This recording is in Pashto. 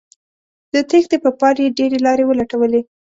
د تېښتې په پار یې ډیرې لارې ولټولې